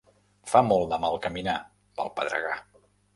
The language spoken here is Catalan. Fa de molt mal caminar, pel pedregar.